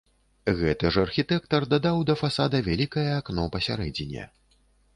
Гэты ж архітэктар дадаў да фасада вялікае акно пасярэдзіне.